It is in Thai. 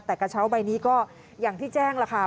แต่กระเช้าใบนี้ก็อย่างที่แจ้งล่ะค่ะ